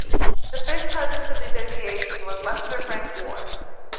The first president of the association was Lester Frank Ward.